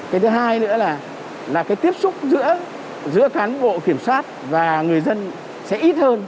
cái thứ hai nữa là cái tiếp xúc giữa cán bộ kiểm soát và người dân sẽ ít hơn